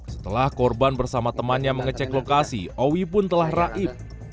setelah korban bersama temannya mengecek lokasi owi pun telah raib